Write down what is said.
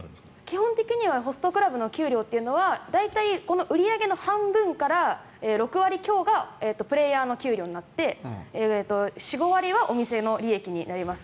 基本的にはホストクラブの給料というのは大体売り上げの半分から６割強がプレーヤーの給料になって４５割はお店の利益になります。